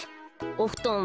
おふとん